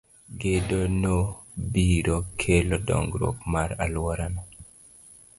Gedo no biro kelo dongruok mar alworano.